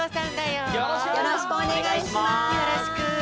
よろしく！